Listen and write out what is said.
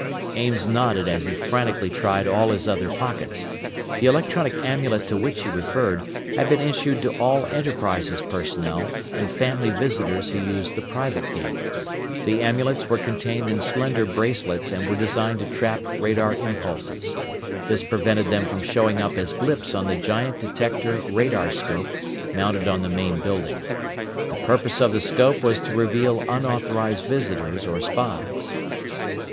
Ames nodded as he frantically tried all his other pockets. The electronic amulet to which he referred had been issued to all Enterprises personnel and family visitors who used the private gate. The amulets were contained in slender bracelets and were designed to trap radar impulses. This prevented them from showing up as blips on the giant detector radarscope mounted on the main building. The purpose of the scope was to reveal unauthorized visitors or spies.